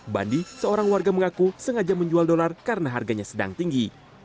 bandi seorang warga mengaku sengaja menjual dolar karena harganya sedang tinggi